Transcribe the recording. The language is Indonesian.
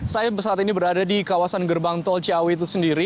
saya saat ini berada di kawasan gerbang tol ciawi itu sendiri